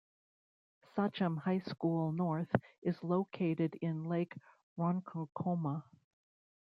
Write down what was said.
Sachem High School North is located in Lake Ronkonkoma.